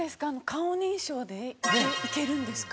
顔認証で行けるんですか？